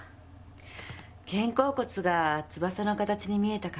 肩甲骨が翼の形に見えたから。